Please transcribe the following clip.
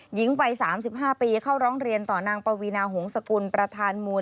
หญิงวัย๓๕ปีเข้าร้องเรียนต่อนางปวีนาหงษกุลประธานมูล